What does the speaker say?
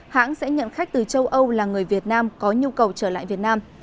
hãng sẽ nhận khách từ châu âu là người việt nam có nhu cầu trở lại việt nam